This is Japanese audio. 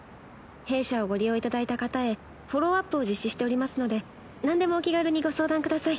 弊社をご利用いただいた方へフォローアップを実施しておりますので何でもお気軽にご相談ください。